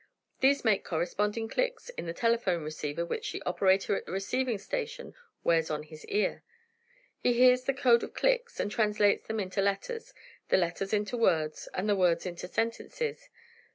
These make corresponding clicks in the telephone receiver which the operator at the receiving station wears on his ear. He hears the code of clicks, and translates them into letters, the letters into words and the words into sentences.